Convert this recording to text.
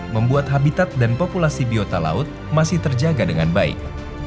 membuat habitat dan populasi biota laut masih terjaga dengan baik